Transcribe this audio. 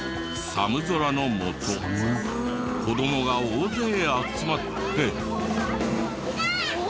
寒空の下子どもが大勢集まって。